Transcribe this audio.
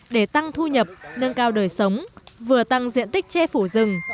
để tăng thu nhập nâng cao đời sống vừa tăng diện tích che phủ rừng